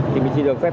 thì mình chỉ được phép